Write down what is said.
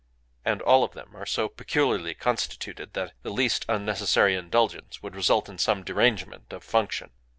And all of them are so peculiarly constituted that the least unnecessary indulgence would result in some derangement of function.